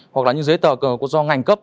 hoặc là những giấy tờ do ngành cấp